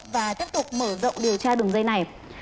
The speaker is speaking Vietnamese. và tiếp tục mở rộng điều tra đường dây này